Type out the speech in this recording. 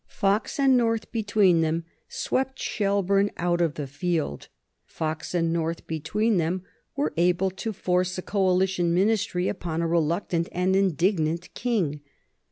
Fox and North between them swept Shelburne out of the field. Fox and North between them were able to force a Coalition Ministry upon a reluctant and indignant King.